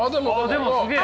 でもすげえ。